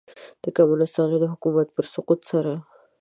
د کمونیسټانو حکومت په سقوط سره.